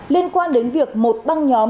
liên quan đến việc một băng nhóm